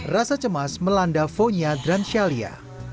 rasa cemas melanda fonya drancialia